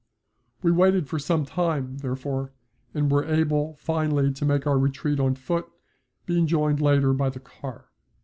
We waited for some time therefore and were able finally to make our retreat on foot, being joined later by the car.